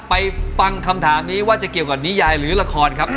ไปฟังคำถามนี้ว่าจะเกี่ยวกับนิยายหรือละครครับ